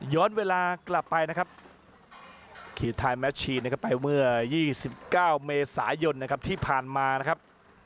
ย้อนเวลากลับไปนะครับขีดท้ายแมสชีนไปเมื่อ๒๙เมษายนที่ผ่านมานะครับ